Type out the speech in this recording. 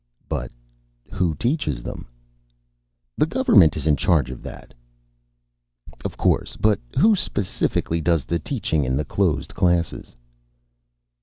"But who teaches them?" "The government is in charge of that." "Of course. But who, specifically, does the teaching in the closed classes?"